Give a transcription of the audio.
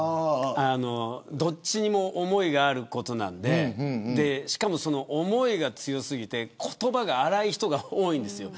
どっちにも思いがあることなのでしかもその思いが強すぎて言葉が荒い人が多いんですよ。